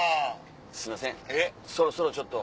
「すいませんそろそろちょっと」。